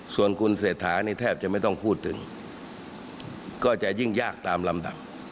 ส่วนคุณเศรษฐานี่แทบจะไม่ต้องพูดถึงก็จะยิ่งยากตามลำดับ